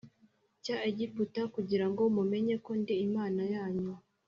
cya Egiputa kugira ngo mumenye ko ndi Imana yanyu